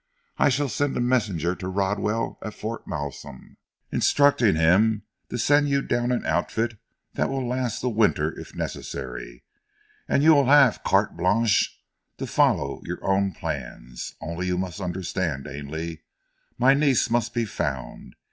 I shall send a messenger to Rodwell, at Fort Malsun, instructing him to send you down an outfit that will last the winter if necessary, and you will have carte blanche to follow your own plans, only you must understand, Ainley, my niece must be found.